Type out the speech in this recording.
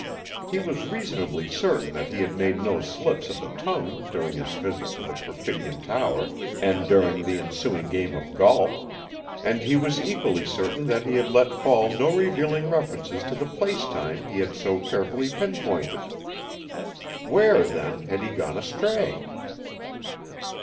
He was reasonably certain that he had made no slips of the tongue during his visit to the Perfidion Tower and during the ensuing game of golp, and he was equally certain that he had let fall no revealing references to the place time he had so carefully pinpointed. Where, then, had he gone astray?